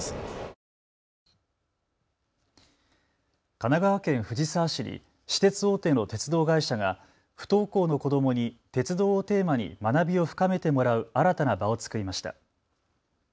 神奈川県藤沢市に私鉄大手の鉄道会社が不登校の子どもに鉄道をテーマに学びを深めてもらう新たな場を作りました。